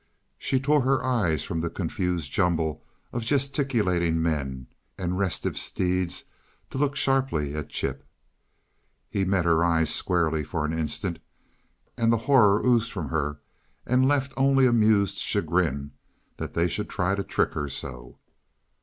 She tore her eyes from the confused jumble of gesticulating men and restive steeds to look sharply at Chip. He met her eyes squarely for an instant, and the horror oozed from her and left only amused chagrin that they should try to trick her so.